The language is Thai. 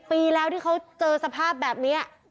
ปีแล้วที่เขาเจอสภาพแบบนี้